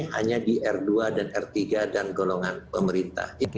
hanya di r dua dan r tiga dan golongan pemerintah